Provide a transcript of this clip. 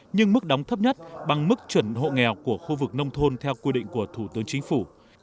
nhưng mức đóng thấp nhất bằng mức chuẩn hộ nghèo của khu vực nông thôn theo quy định của thủ tướng chính phủ